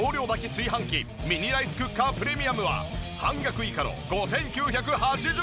炊飯器ミニライスクッカープレミアムは半額以下の５９８０円。